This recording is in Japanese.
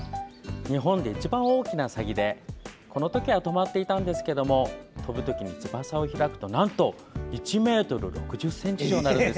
日本で一番大きなサギでこの時はとまっていたんですけど飛ぶ時に翼を開くと、なんと１ｍ６０ｃｍ以上になるんです。